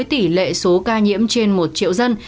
tỷ lệ số ca nhiễm trên một triệu dân